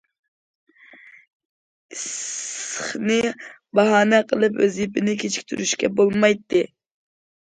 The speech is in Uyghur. ئىسسىقنى باھانە قىلىپ ۋەزىپىنى كېچىكتۈرۈشكە بولمايتتى.